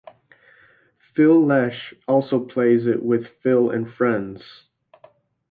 Phil Lesh also plays it with Phil and Friends.